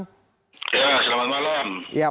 ya selamat malam